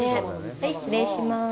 はい、失礼します。